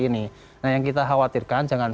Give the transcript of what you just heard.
ini nah yang kita khawatirkan jangan